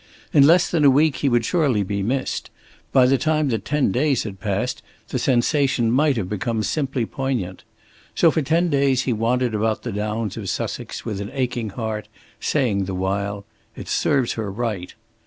In less than a week he would surely be missed; by the time that ten days had passed the sensation might have become simply poignant. So for ten days he wandered about the Downs of Sussex with an aching heart, saying the while, "It serves her right."